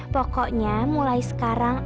pokoknya mulai sekarang